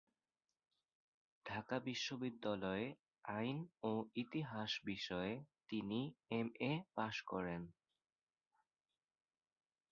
ঢাকা বিশ্ববিদ্যালয়ে আইন ও ইতিহাস বিষয়ে তিনি এম এ পাশ করেন।